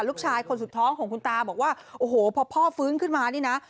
ลูกชายคนสุดท้องของคุณตาบอกว่าโอ้โหพอพ่อฟื้นขึ้นมานี่นะ